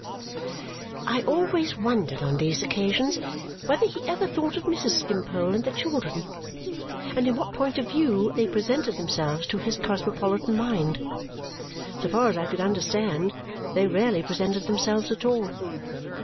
I always wondered on these occasions whether he ever thought of Mrs. Skimpole and the children, and in what point of view they presented themselves to his cosmopolitan mind. So far as I could understand, they rarely presented themselves at all.